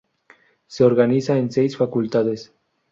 Se organiza en seis facultades.